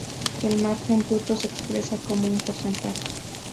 El margen bruto se expresa como un porcentaje.